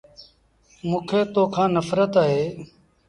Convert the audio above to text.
موݩ کي تو کآݩ نڦرت اهي۔